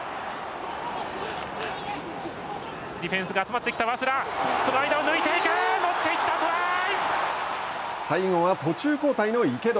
ディフェンスが集まってきた早稲田。